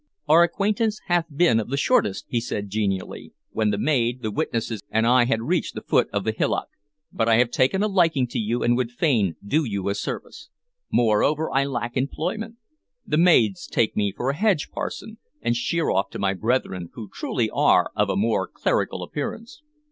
"Our acquaintance hath been of the shortest," he said genially, when the maid, the witnesses, and I had reached the foot of the hillock, "but I have taken a liking to you and would fain do you a service. Moreover, I lack employment. The maids take me for a hedge parson, and sheer off to my brethren, who truly are of a more clerical appearance.